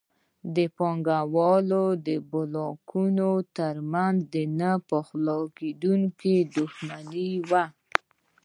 د پانګوالۍ بلاکونو ترمنځ نه پخلاکېدونکې دښمني وه.